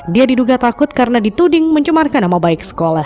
dia diduga takut karena dituding mencemarkan nama baik sekolah